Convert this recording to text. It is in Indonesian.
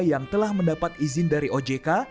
yang telah mendapat izin dari ojk